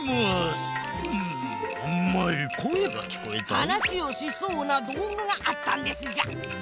はなしをしそうなどうぐがあったんですじゃ。